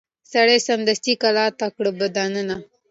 سړي سمدستي کلا ته کړ دننه